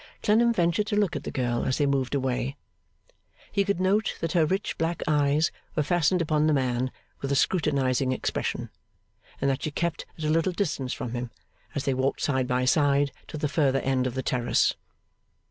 Clennam ventured to look at the girl as they moved away. He could note that her rich black eyes were fastened upon the man with a scrutinising expression, and that she kept at a little distance from him, as they walked side by side to the further end of the terrace.